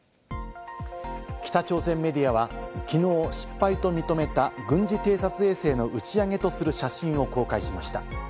北朝鮮メディアはきのう失敗と認めた軍事偵察衛星の打ち上げとする写真を公開しました。